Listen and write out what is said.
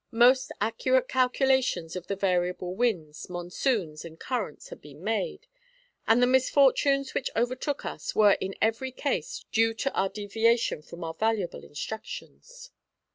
Most accurate calculations of the variable winds, monsoons, and currents had been made, and the misfortunes which overtook us were in every case due to our deviation from our valuable instructions."